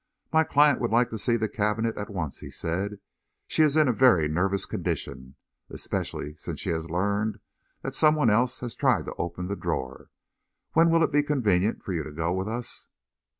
"My client would like to see the cabinet at once," he said. "She is in a very nervous condition; especially since she learned that some one else has tried to open the drawer. When will it be convenient for you to go with us?"